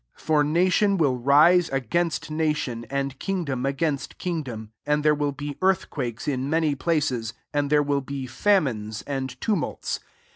8 For nation will rise against nation, and kingdom against kingdom r and there will be earthquakes in| many places, and there will be famines [and tumults.